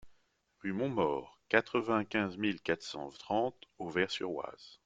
Rue Montmaur, quatre-vingt-quinze mille quatre cent trente Auvers-sur-Oise